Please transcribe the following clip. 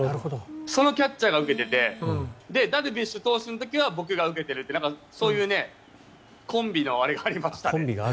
そのキャッチャーが受けていてダルビッシュ投手の時は僕が受けているというそういうコンビのあれがありましたね。